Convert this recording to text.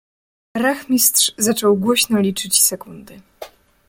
"Rachmistrz zaczął głośno liczyć sekundy."